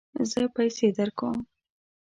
زه پیسې درکوم